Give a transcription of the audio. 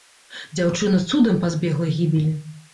Дзяўчына цудам пазбегла гібелі.